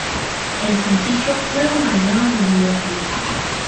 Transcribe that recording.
El sencillo fue acompañado de un videoclip.